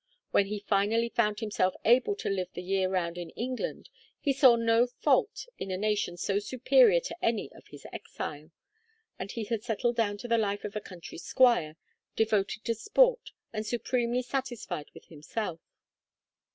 When he finally found himself able to live the year round in England he saw no fault in a nation so superior to any of his exile, and he had settled down to the life of a country squire, devoted to sport, and supremely satisfied with himself.